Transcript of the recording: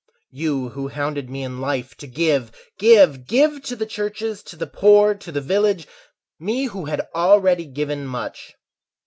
— You who hounded me in life, To give, give, give to the churches, to the poor, To the village!—me who had already given much.